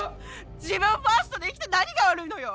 自分ファーストで生きて何が悪いのよ。